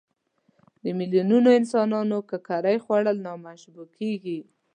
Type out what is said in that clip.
د میلیونونو انسانانو ککرې خوړل نه مشبوع کېږي.